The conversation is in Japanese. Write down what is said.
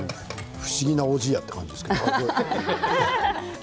不思議な、おじやという感じですね。